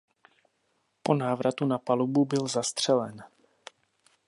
Po návratu na palubu byl zastřelen.